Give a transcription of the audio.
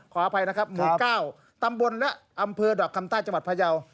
ขออภัยนะครับหมู่๙ตำบลและอำเภอดอกคำใต้จังหวัดพยาว